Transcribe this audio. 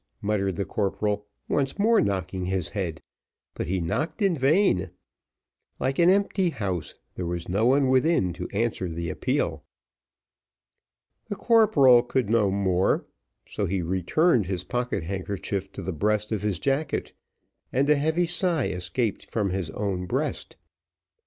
muttered the corporal, once more knocking his head: but he knocked in vain; like an empty house, there was no one within to answer the appeal. The corporal could no more: so he returned his pocket handkerchief to the breast of his jacket, and a heavy sigh escaped from his own breast.